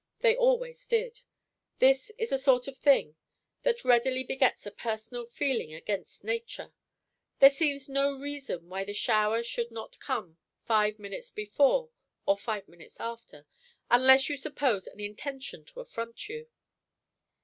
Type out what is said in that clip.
They always did. This is a sort of thing that readily begets a personal feeling against nature. There seems no reason why the shower should not come five minutes before or five minutes after, unless you suppose an intention to affront you.